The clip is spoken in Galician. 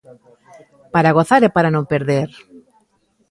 Para gozar e para non perder!